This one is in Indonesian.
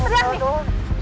pasti saya teriak nih